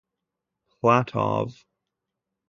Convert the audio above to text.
Platov.